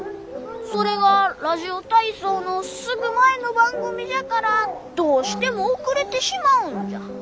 それがラジオ体操のすぐ前の番組じゃからどうしても遅れてしまうんじゃ。